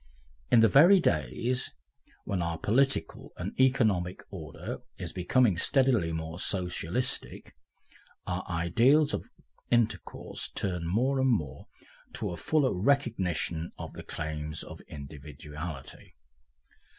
In the very days when our political and economic order is becoming steadily more Socialistic, our ideals of intercourse turn more and more to a fuller recognition of the claims of individuality.